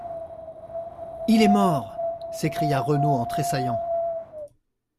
—Il est mort !…» s’écria Renaud en tressaillant.